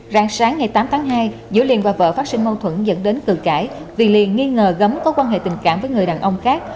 rạng sáng ngày tám tháng hai giữa liền và vợ phát sinh mâu thuẫn dẫn đến cử cãi vì liền nghi ngờ gấm có quan hệ tình cảm với người đàn ông khác